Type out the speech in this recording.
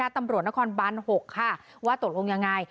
ตำรวจนครบัน๖ว่าตกลงยังไง